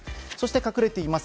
隠れています